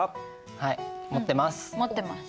はい持ってます。